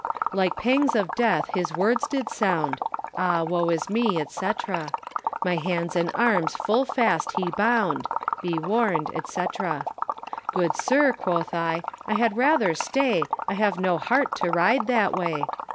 Like pangues of death his words did sound: Ah woe is me, &c. My hands and armes full fast he bound. Be warned, &c. Good sir, quoth I, I had rather stay, I have no heart to ride that way.